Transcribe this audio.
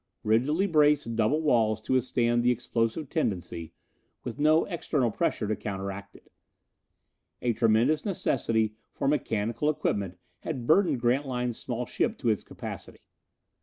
Rigidly braced double walls to withstand the explosive tendency, with no external pressure to counteract it. A tremendous necessity for mechanical equipment had burdened Grantline's small ship to its capacity.